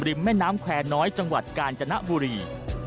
แม่น้ำแควร์น้อยจังหวัดกาญจนบุรี